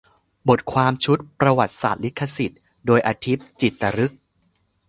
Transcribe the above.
บทความชุด "ประวัติศาสตร์ลิขสิทธิ์" โดย อธิป จิตตฤกษ์